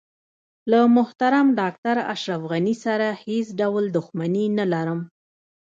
له محترم ډاکټر اشرف غني سره هیڅ ډول دښمني نه لرم.